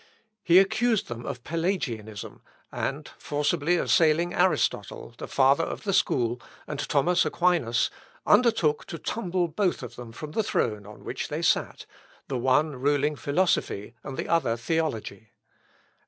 He accused them of Pelagianism; and, forcibly assailing Aristotle, the father of the school, and Thomas Aquinas, undertook to tumble both of them from the throne on which they sat, the one ruling philosophy, and the other theology.